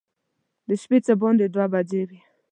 د شپې څه باندې دوه بجې وې.